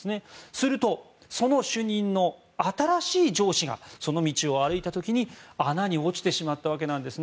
すると、その主任の新しい上司がその道を歩いた時に穴に落ちてしまったわけです。